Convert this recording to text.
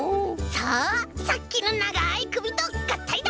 さあさっきのながいくびとがったいだ！